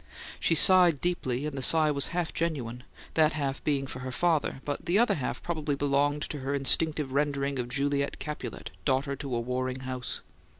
She sighed deeply, and the sigh was half genuine; this half being for her father, but the other half probably belonged to her instinctive rendering of Juliet Capulet, daughter to a warring house.